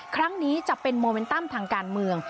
ครั้งนี้จะเป็นโมเมนตัมทางการเมือง